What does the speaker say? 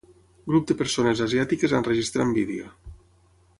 Grup de persones asiàtiques enregistrant vídeo.